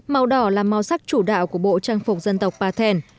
màu đỏ là màu sắc chủ đạo của bộ trang phục dân tộc bà thèn